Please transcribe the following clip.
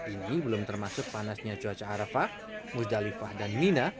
ini belum termasuk panasnya cuaca arafah muzdalifah dan mina